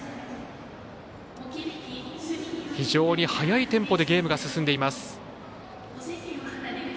非常に速いテンポでゲームが進んでいます。